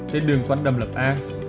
tới đường quán đầm lập an